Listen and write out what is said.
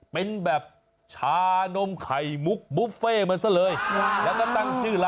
เป็นแบบชานมไข่มุกมุฟเฟ่มันซะเลย